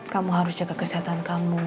kamu harus jaga kesehatan kamu